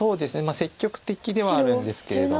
積極的ではあるんですけれども。